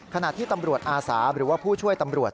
ขณะที่ตำรวจอาสาหรือว่าผู้ช่วยตำรวจ